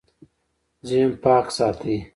ذهن پاک ساتئ